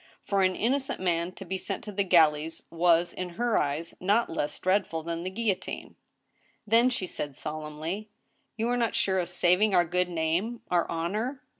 For an innocent man to be sent to the galleys was, in her eyes, not less dreadful than the guillotine. THE TRIAL. 1 85 " Then," she said, solemnly, " you are not sure of saving our good name — our honor